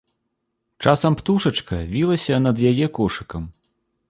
Часам птушачка вілася над яе кошыкам.